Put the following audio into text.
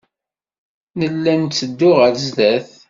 Nella netteddu ɣer sdat.